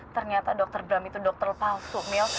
ternyata dr bram itu dokter palsu mil